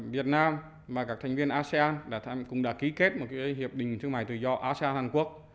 việt nam và các thành viên asean cũng đã ký kết một hiệp định thương mại tự do asean hàn quốc